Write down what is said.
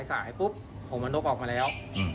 สายปุ๊บผมมันนกออกมาแล้ว